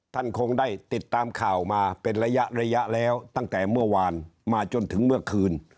ท่านคงได้ติดตามข่าวมาเป็นระยะระยะแล้วตั้งแต่เมื่อวานมาจนถึงเมื่อคืน